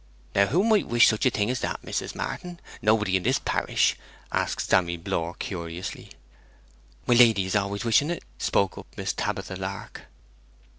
'Now, who might wish such a thing as that, Mrs Martin? nobody in this parish?' asked Sammy Blore curiously. 'My lady is always wishing it,' spoke up Miss Tabitha Lark.